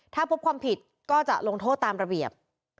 ถ้าพบความผิดก็จะลงโทษตามระเบียบ